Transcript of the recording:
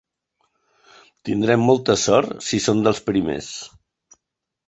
Tindrem molta sort si són dels primers.